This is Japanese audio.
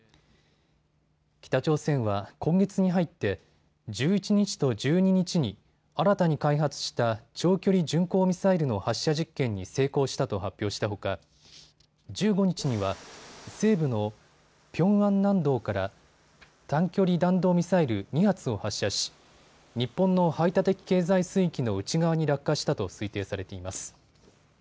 北朝鮮は今月に入って１１日と１２日に新たに開発した長距離巡航ミサイルの発射実験に成功したと発表したほか１５日には西部のピョンアン南道から短距離弾道ミサイル２発を発射し、日本の排他的経済水域の内側に落下したと推定されています。